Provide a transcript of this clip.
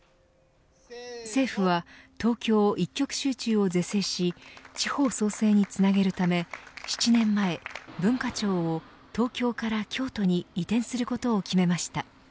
政府は東京一極集中を是正し地方創生につなげるため７年前、文化庁を東京から京都に移転することを決めました。